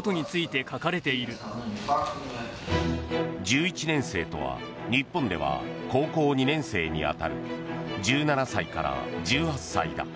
１１年生とは日本では高校２年生に当たる１７歳から１８歳だ。